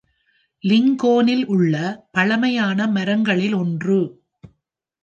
லிங்கோனில் உள்ள பழமையான மரங்களில் ஒன்று.